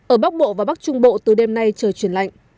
ở bắc bộ và bắc trung bộ từ đêm nay trời chuyển lạnh